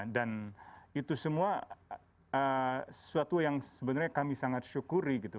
dan itu semua sesuatu yang sebenarnya kami sangat syukuri gitu